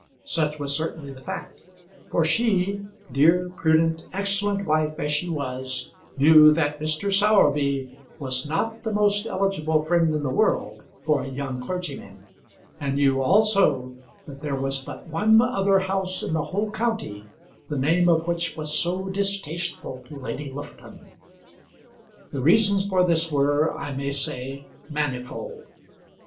Such was certainly the fact; for she, dear, prudent, excellent wife as she was, knew that Mr. Sowerby was not the most eligible friend in the world for a young clergyman, and knew, also, that there was but one other house in the whole county the name of which was so distasteful to Lady Lufton. The reasons for this were, I may say, manifold.